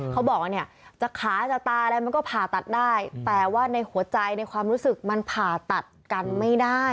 เขาบอกว่าเนี่ยจะขาจะตาอะไรมันก็ผ่าตัดได้แต่ว่าในหัวใจในความรู้สึกมันผ่าตัดกันไม่ได้